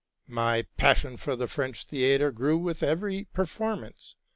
My passion for the French theatre grew with every performance.